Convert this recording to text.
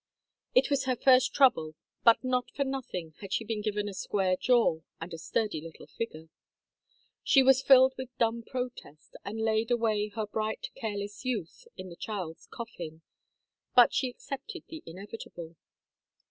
It was her first trouble, but not for nothing had she been given a square jaw and a sturdy little figure. She was filled with dumb protest, and laid away her bright careless youth in the child's coffin, but she accepted the inevitable.